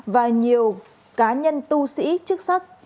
và nhiều cá nhân tu sĩ chức sắc